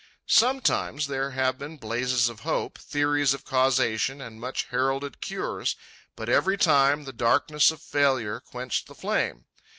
Sometimes there have been blazes of hope, theories of causation and much heralded cures, but every time the darkness of failure quenched the flame.